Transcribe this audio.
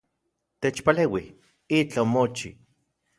Techpaleui, itlaj omochi